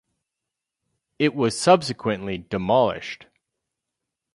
It was subsequently demolished.